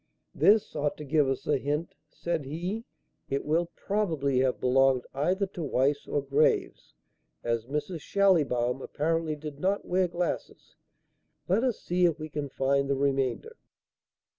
"This ought to give us a hint," said he. "It will probably have belonged either to Weiss or Graves, as Mrs. Schallibaum apparently did not wear glasses. Let us see if we can find the remainder."